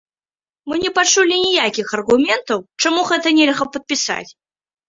Мы не пачулі ніякіх аргументаў, чаму гэта нельга падпісаць.